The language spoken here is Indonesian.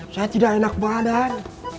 saya tidak enak badan